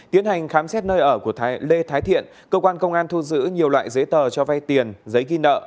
tiến hành khám xét nơi ở của lê thái thiện cơ quan công an thu giữ nhiều loại giấy tờ cho vay tiền giấy ghi nợ